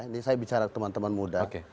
ini saya bicara teman teman muda